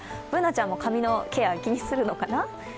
Ｂｏｏｎａちゃんも髪のケア気にするのかな。